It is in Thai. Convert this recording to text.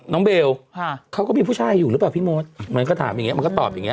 เบลค่ะเขาก็มีผู้ชายอยู่หรือเปล่าพี่มดมันก็ถามอย่างเงี้มันก็ตอบอย่างเง